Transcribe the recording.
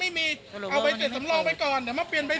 แต่ผมถามได้ว่าเยียวยา